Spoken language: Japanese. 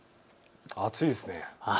暑いですね。